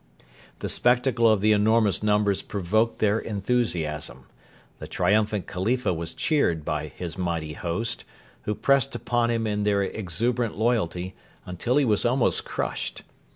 The spectacle of the enormous numbers provoked their enthusiasm. The triumphant Khalifa was cheered by his mighty host, who pressed upon him in their exuberant loyalty until he was almost crushed.